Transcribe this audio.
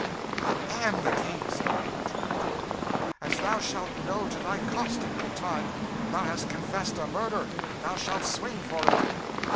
"I am the King," said Edward, turning toward him, "as thou shalt know to thy cost, in good time. Thou hast confessed a murder thou shalt swing for it."